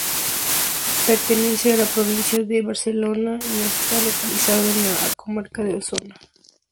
Pertenece a la provincia de Barcelona, y está localizado en la comarca de Osona.